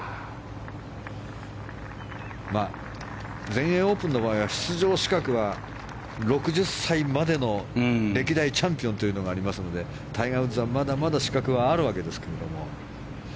全英オープンの場合は出場資格は、６０歳までの歴代チャンピオンというのがありますのでタイガー・ウッズはまだまだ資格はあるわけですけれども。